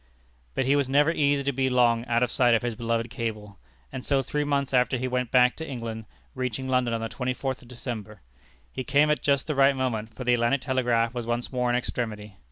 But he was never easy to be long out of sight of his beloved cable, and so three months after he went back to England, reaching London on the twenty fourth of December. He came at just the right moment, for the Atlantic Telegraph was once more in extremity.